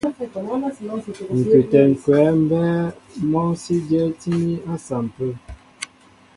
Ŋ̀kʉtɛ̌ ŋ̀kwɛ̌ mbɛ́ɛ́ mɔ́ sí dyɛ́tíní à sampə̂.